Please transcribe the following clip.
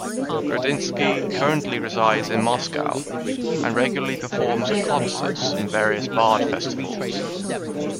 Gorodnitsky currently resides in Moscow and regularly performs at concerts and various bard festivals.